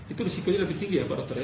itu risikonya lebih tinggi ya pak dokter ya